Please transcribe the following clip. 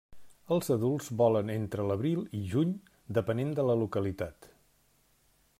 Els adults volen entre l'abril i juny, depenent de la localitat.